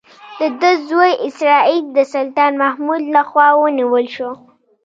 د ده زوی اسراییل د سلطان محمود لخوا ونیول شو.